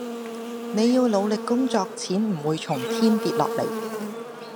你要努力工作錢唔會從天跌落嚟